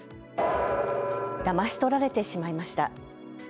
だまし取られてしまいました。